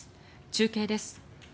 中継です。